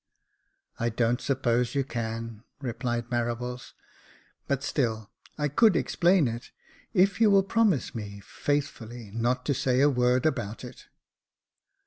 '* I don't suppose you can," replied Marables :" but still I could explain it, if you will promise me faithfully not to say a word about it."